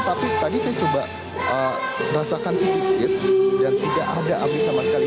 tapi tadi saya coba rasakan sedikit dan tidak ada api sama sekali